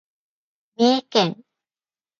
三重県